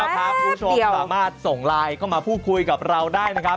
ใช่แล้วครับเดี๋ยวผู้ชมสามารถส่งไลน์เข้ามาพูดคุยกับเราได้นะครับ